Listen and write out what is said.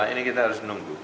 ini kita harus menunggu